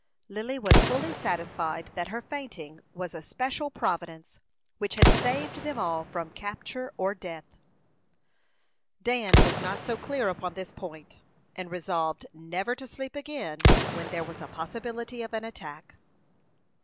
Lily was fully satisfied that her fainting was a special providence, which had saved them all from capture or death. Dan was not so clear upon this point, and resolved never to sleep again when there was a possibility of an attack.